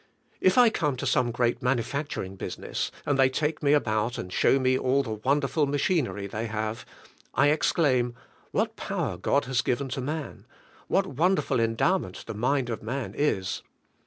If I come to some great manufacturing business, and they take me about and show me all the wonderful machinery they have, I exclaim: " What power God has given to man! What a wonderful endov/ment the mind of man is!"